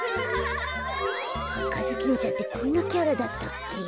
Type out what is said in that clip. あかずきんちゃんってこんなキャラだったっけ？